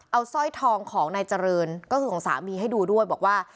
เอาสร้อยทองของนายเจริญก็คือของสามีให้ดูด้วยบอกว่า